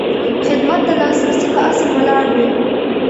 خدمت د لاسرسي په اصل ولاړ وي.